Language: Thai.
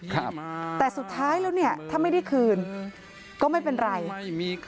ครับแต่สุดท้ายแล้วเนี่ยถ้าไม่ได้คืนก็ไม่เป็นไร